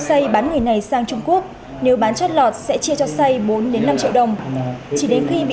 xây bán người này sang trung quốc nếu bán chất lọt sẽ chia cho xây bốn năm triệu đồng chỉ đến khi bị